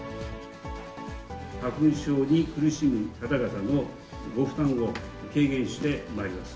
花粉症に苦しむ方々のご負担を軽減してまいります。